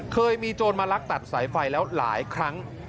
เคยมีโจรมาลักตัดสายไฟแล้วหลายครั้ง